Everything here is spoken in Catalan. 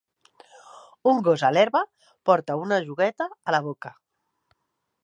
Un gos a l'herba porta una jugueta a la boca.